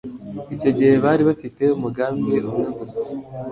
Icyo gihe bari bafite umugambi umwe gusa.